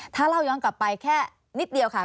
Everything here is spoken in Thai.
ถ้าเล่าย้อนกลับไปแค่นิดเดียวค่ะ